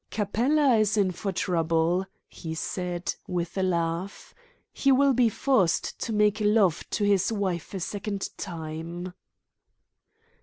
"Capella is in for trouble," he said, with a laugh. "He will be forced to make love to his wife a second time."